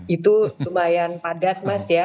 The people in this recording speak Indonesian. itu lumayan padat mas ya